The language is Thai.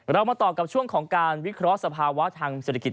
เรามาต่อกับช่วงของการวิเคราะห์สภาวะทางเศรษฐกิจ